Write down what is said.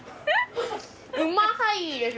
うまはいです。